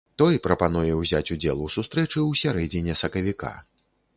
Той прапануе ўзяць удзел у сустрэчы ў сярэдзіне сакавіка.